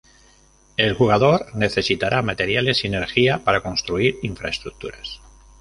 El jugador necesitará materiales y energía para construir infraestructuras.